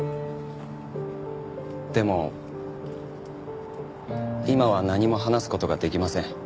でも今は何も話す事ができません。